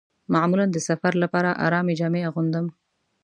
معمولاً د سفر لپاره ارامې جامې اغوندم.